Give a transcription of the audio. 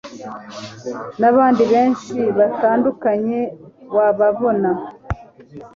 n'abandi benshi batandukanye wababona.